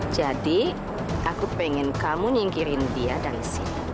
jadi aku ingin kamu nyingkirin dia dari sini